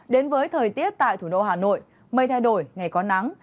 đến với thời tiết tại thủ đô hà nội mây thay đổi ngày có nắng